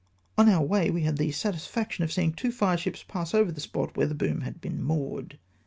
On our way we had the satisfaction of seeing two fireships pass over the spot where the boom had been moored.